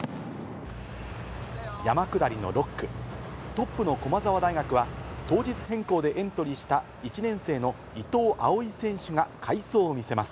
山下りの６区、トップの駒澤大学は、当日変更でエントリーした１年生の伊藤蒼唯選手が快走を見せます。